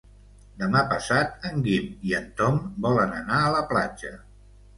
Demà passat en Guim i en Tom volen anar a la platja.